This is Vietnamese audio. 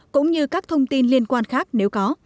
cũng như các thông tin liên quan khác nếu có